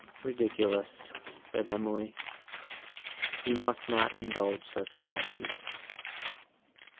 "Ridiculous!" said Emily, "you must not indulge such fancies."